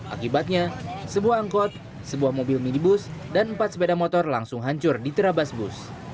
akibatnya sebuah angkot sebuah mobil minibus dan empat sepeda motor langsung hancur di terabas bus